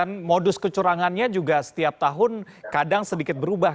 modus kecurangannya juga setiap tahun kadang sedikit berubah